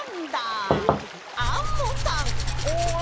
おっアンモさん！